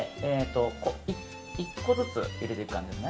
１個ずつ入れていく感じです